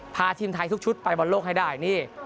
พาทีมไทยทุกชุดไปบอลโลกให้ได้นี่